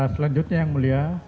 selanjutnya yang mulia